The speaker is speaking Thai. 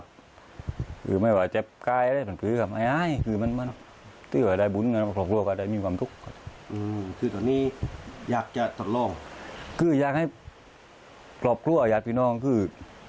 คือไม่ว่าเจ็บใกล้แล้วแต่มันคือ